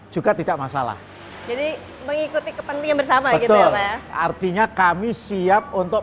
juga tidak masalah jadi mengikuti kepentingan bersama gitu ya artinya kami siap untuk